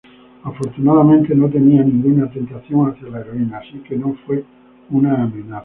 Afortunadamente, no tenía ninguna tentación hacia la heroína, así que no fue una amenaza".